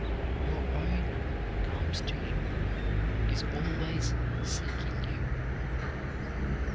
Your own comes to you; is always seeking you.